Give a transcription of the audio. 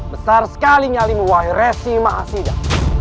besar sekali nyali muwahi resi mahasiswa